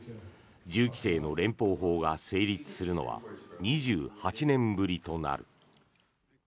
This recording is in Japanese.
銃規制の連邦法が成立するのは２８年ぶりとなる。